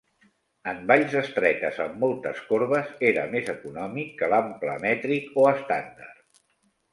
En valls estretes amb moltes corbes era més econòmic que l'ample mètric o estàndard.